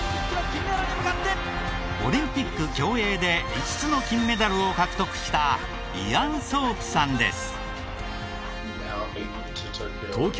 オリンピック競泳で５つの金メダルを獲得したイアン・ソープさんです。